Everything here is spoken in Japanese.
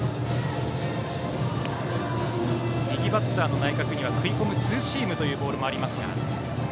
右バッターの内角には食い込むツーシームもありますが。